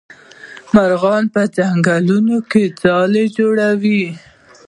مرغان په ځنګل کې ځالې جوړوي.